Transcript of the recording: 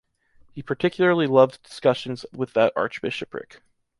He particularly loved discussions with that archbishopric.